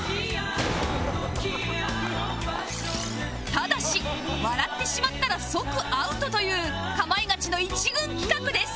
ただし笑ってしまったら即アウトという『かまいガチ』の一軍企画です